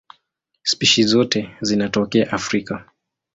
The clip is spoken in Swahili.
Spishi zote zinatokea Afrika.